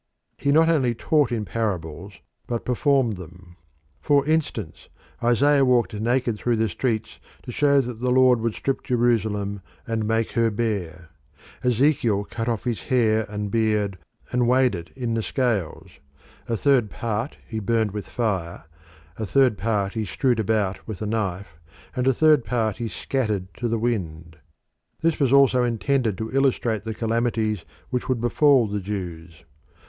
He not only taught in parables but performed them. For instance, Isaiah walked naked through the streets to show that the Lord would strip Jerusalem, and make her bare. Ezekiel cut off his hair and beard and weighed it in the scales: a third part he burnt with fire, a third part he strewed about with a knife, and a third part he scattered to the wind. This was also intended to illustrate the calamities which would befall the Jews.